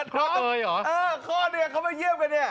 คลอดเอยเหรอคลอดเอยเข้ามาเยี่ยมกันเนี่ย